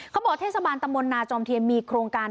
เขาบอกเทศบาลตำบลนาจอมเทียนมีโครงการ